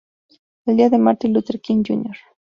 El día de Martin Luther King, Jr.